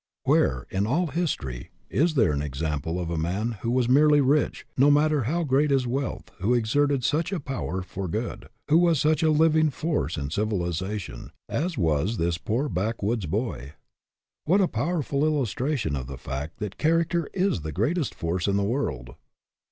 Where, in all history, is there an example of a man who was merely rich, no matter how great his wealth, who exerted such a power for good, who was such a living force in civilization, as was this poor backwoods boy? What a powerful illustration of the fact that character is the greatest force in the world